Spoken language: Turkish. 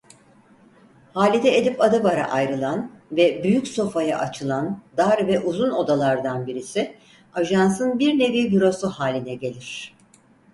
Halide Edip Adıvar'a ayrılan ve büyük sofaya açılan dar ve uzun odalardan birisi ajansın bir nevi bürosu haline gelir.